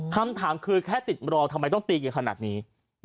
คำถามคือแค่ติดรอทำไมต้องตีกันขนาดนี้